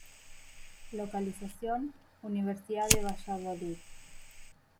Localización: Universidad de Valladolid.